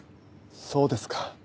そうですか。